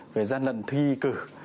về gian lận thi cử